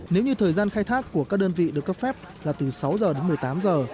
nếu như thời gian khai thác của các đơn vị được cấp phép là từ sáu giờ đến một mươi tám giờ